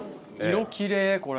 色きれいこれ。